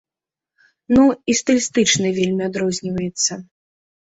Ну, і стылістычна вельмі адрозніваецца.